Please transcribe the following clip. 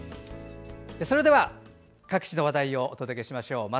それでは各地の話題をお届けしましょう。